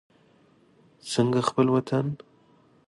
څنګه خپل وطن.